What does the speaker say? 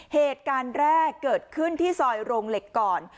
เหตุการณ์แรกเกิดขึ้นที่ซอยโรงเหล็กก่อน